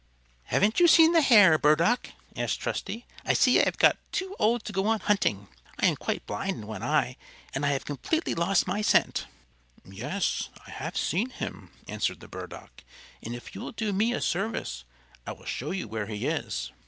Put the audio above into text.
"Haven't you seen the Hare, Burdock?" asked Trusty. "I see I have got too old to go hunting. I am quite blind in one eye, and I have completely lost my scent." "Yes, I have seen him," answered the Burdock; "and if you will do me a service, I will show you where he is."